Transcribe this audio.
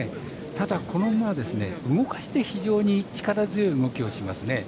ただ、この馬は動かして、非常に力強い動きをしますね。